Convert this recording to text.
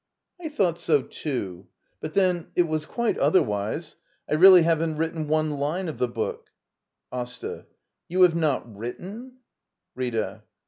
I thought so, too. But, then — it was quite otherwise. I really haven't written one line of the booL Asta. You have not written —? Rita.